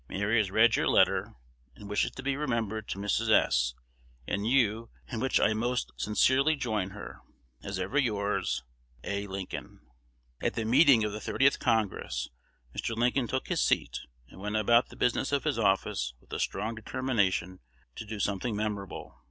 Mary has read your letter, and wishes to be remembered to Mrs. S. and you, in which I most sincerely join her. As ever yours. A. Lincoln. At the meeting of the Thirtieth Congress Mr. Lincoln took his seat, and went about the business of his office with a strong determination to do something memorable.